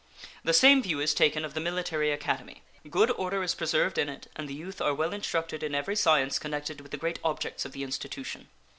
The same view is taken of the Military Academy. Good order is preserved in it, and the youth are well instructed in every science connected with the great objects of the institution.